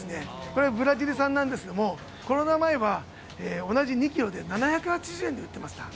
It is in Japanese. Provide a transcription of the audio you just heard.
これ、ブラジル産なんですけど、コロナ前は同じ２キロで７８０円で売ってました。